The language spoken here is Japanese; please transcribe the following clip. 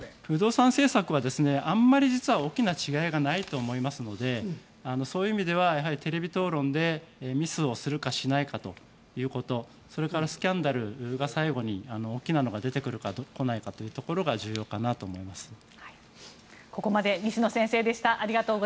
不動産政策はあまり大きな違いはないと思いますのでそういう意味ではテレビ討論でミスをするかしないかということそれから、スキャンダルが最後に大きなのが出てくるかどうかが重要かなと思います。